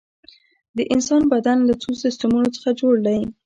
د انسان بدن له څو سیستمونو څخه جوړ دی